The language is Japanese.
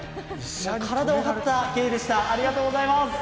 体を張った芸でした。